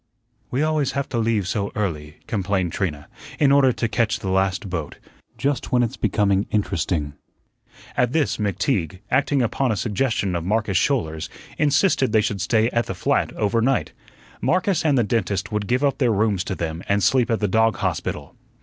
"We always have to leave so early," complained Trina, "in order to catch the last boat. Just when it's becoming interesting." At this McTeague, acting upon a suggestion of Marcus Schouler's, insisted they should stay at the flat over night. Marcus and the dentist would give up their rooms to them and sleep at the dog hospital.